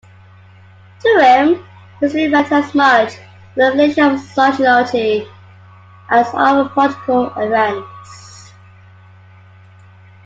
To him, history meant as much the revelation of sociology as of political events.